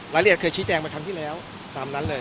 รายละเอียดเคยชี้แจงมาครั้งที่แล้วตามนั้นเลย